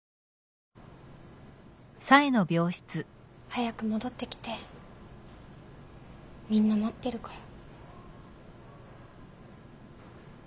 早く戻ってきてみんな待ってるから。